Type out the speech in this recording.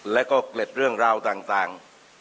แล้วก็เกล็ดเรื่องราวต่าง